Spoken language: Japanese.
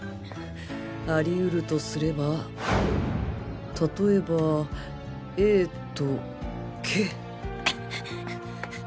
ありうるとすれば例えば Ａ と Ｋ！